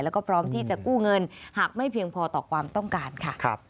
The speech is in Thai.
แล้วก็พร้อมที่จะกู้เงินหากไม่เพียงพอต่อความต้องการค่ะ